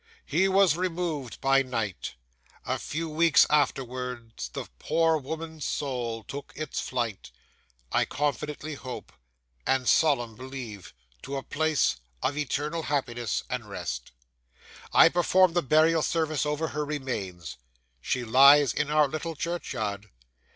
'He was removed by night. A few weeks afterwards the poor woman's soul took its flight, I confidently hope, and solemnly believe, to a place of eternal happiness and rest. I performed the burial service over her remains. She lies in our little churchyard.